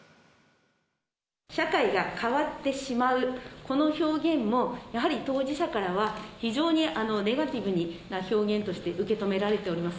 社会が変わってしまう、この表現も、やはり当事者からは非常にネガティブな表現として受け止められています。